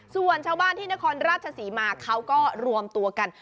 ส่วนชาวบ้านที่นครราชศรีมาเขาก็รวมตัวกัน